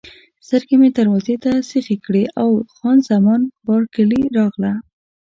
سترګې مې دروازې ته سیخې کړې او خان زمان بارکلي راغله.